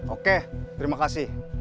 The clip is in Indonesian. oke terima kasih